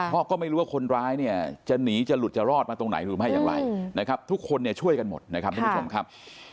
เพราะก็ไม่รู้ว่าคนร้ายเนี่ยจะหนีจะหลุดจะรอดมาตรงไหนหรือไม่อย่างไรนะครับทุกคนเนี่ยช่วยกันหมดนะครับทุกผู้ชมครับ